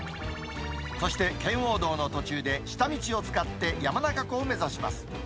そして圏央道の途中で下道を使って、山中湖を目指します。